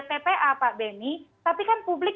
tpa pak beni tapi kan publik